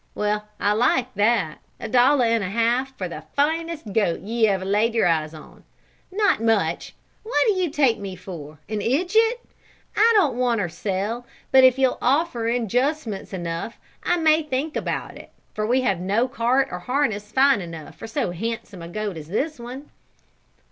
Well I like that a dollar and a half for the finest goat ye ever laid your two eyes on! Not much what do ye take me for, an idjet? I don't want er sell but if ye'll offer injucements enough I may think about it, for we have no cart or harness fine enough for so handsome a goat as this one."